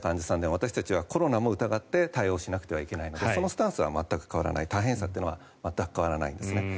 私たちはコロナも疑って対応しなくてはいけないのでそのスタンスは全く変わらない大変さは全く変わらないんですね。